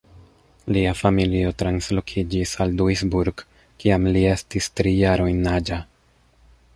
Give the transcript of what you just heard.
Lia familio translokiĝis al Duisburg kiam li estis tri jarojn aĝa.